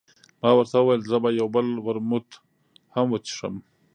ما ورته وویل، زه به یو بل ورموت هم وڅښم.